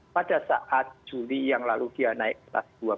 pada saat juli yang lalu dia naik kelas dua puluh